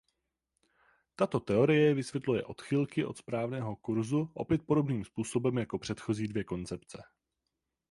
Tato teorie vysvětluje odchylky od správného kurzu opět podobným způsobem jako předchozí dvě koncepce.